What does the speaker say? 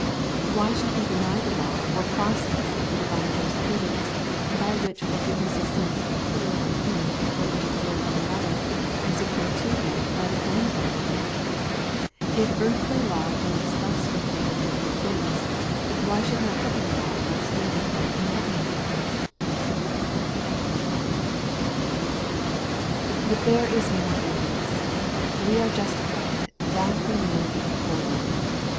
Why should he deny the law or process of the divine jurisprudence, by which forgiveness of sin is conferred on him according to the will of another, and secured to him by the claims of another ? If earthly law deals thus with him in earthly things, why should not heavenly law deal thus with him in heavenly things ? The Holy Life of the Justified, 181 But there is more than this. We are justified that we may he holy.